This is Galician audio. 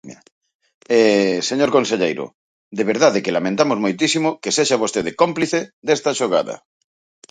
E, señor conselleiro, de verdade que lamentamos moitísimo que sexa vostede cómplice desta xogada.